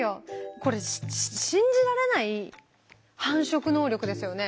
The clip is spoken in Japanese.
これ信じられない繁殖能力ですよね？